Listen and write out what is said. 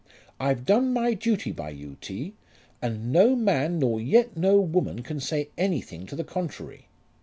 I've done my duty by you, T., and no man nor yet no woman can say anything to the contrary.